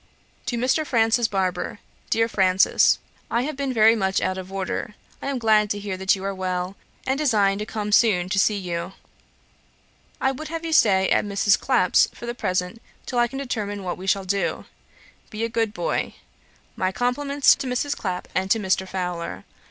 'To MR. FRANCIS BARBER. 'DEAR FRANCIS, 'I have been very much out of order. I am glad to hear that you are well, and design to come soon to see you. I would have you stay at Mrs. Clapp's for the present, till I can determine what we shall do. Be a good boy. 'My compliments to Mrs. Clapp and to Mr. Fowler.